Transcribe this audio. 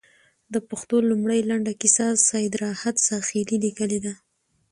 د پښتو لومړۍ لنډه کيسه، سيدراحت زاخيلي ليکلې ده